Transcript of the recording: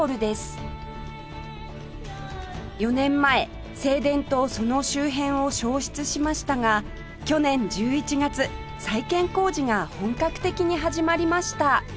４年前正殿とその周辺を焼失しましたが去年１１月再建工事が本格的に始まりました